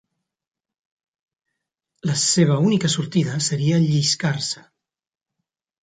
La seva única sortida seria lliscar-se.